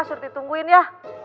surti tungguin ya